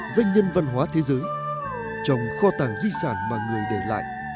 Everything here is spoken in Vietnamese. doanh nhân văn hóa thế giới trọng kho tàng di sản mà người để lại